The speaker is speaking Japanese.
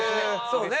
そうね。